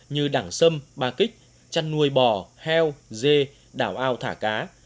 như đẳng sâm ba kích chăn nuôi bò heo dê đảo ao thả cá